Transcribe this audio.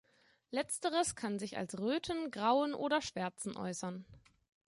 Letzteres kann sich als Röten, Grauen oder Schwärzen äußern.